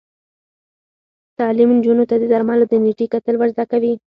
تعلیم نجونو ته د درملو د نیټې کتل ور زده کوي.